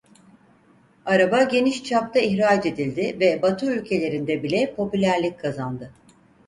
Araba geniş çapta ihraç edildi ve Batı ülkelerinde bile popülerlik kazandı.